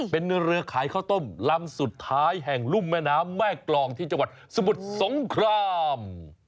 เป็นเรือขายข้าวต้มลำสุดท้ายแห่งรุ่มแม่น้ำแม่กรองที่จังหวัดสมุทรสงคราม